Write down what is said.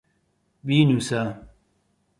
بینووسە.